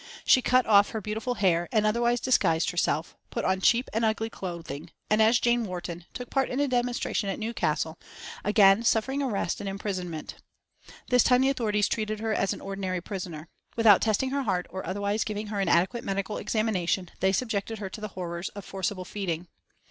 She cut off her beautiful hair and otherwise disguised herself, put on cheap and ugly clothing, and as "Jane Warton" took part in a demonstration at Newcastle, again suffering arrest and imprisonment. This time the authorities treated her as an ordinary prisoner. Without testing her heart or otherwise giving her an adequate medical examination, they subjected her to the horrors of forcible feeding.